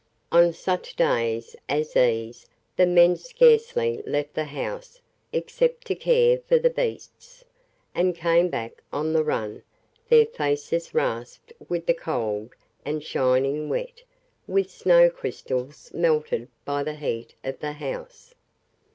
On such days as these the men scarcely left the house except to care for the beasts, and came back on the run, their faces rasped with the cold and shining wet with snow crystals melted by the heat of the house.